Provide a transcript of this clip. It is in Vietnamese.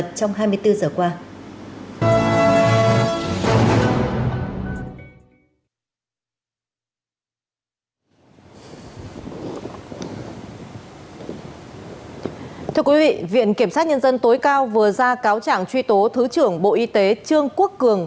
thưa quý vị viện kiểm sát nhân dân tối cao vừa ra cáo trạng truy tố thứ trưởng bộ y tế trương quốc cường